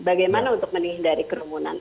bagaimana untuk menghindari kerumunan